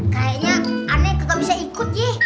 kayaknya aneh kalau bisa ikut sih